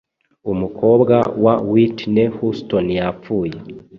Umukobwa wa Whitney Houston yapfuye